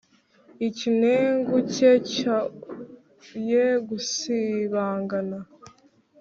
ikinegu cye cyoye gusibangana.